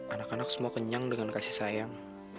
anak anak semua kenyang dengan kasih sayang